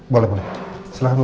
boleh boleh silahkan bu